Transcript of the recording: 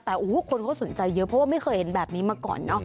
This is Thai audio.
แต่โอ้โหคนเขาสนใจเยอะเพราะว่าไม่เคยเห็นแบบนี้มาก่อนเนอะ